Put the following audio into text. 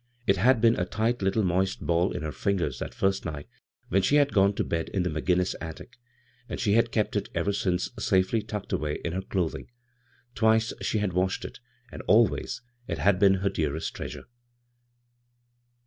It had been a tight little moist ball in her fijigers that first night when she had gone to bed in the McGinnis attic, and she had kept it ever since safely tucked away in her cloth ing. Twice she had washed it, and always it had been her dearest treasure.